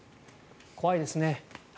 怖いですね。